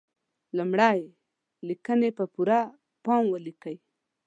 لمړی: لیکنې په پوره پام ولیکئ.